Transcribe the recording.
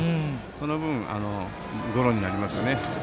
その分、ゴロになりますよね。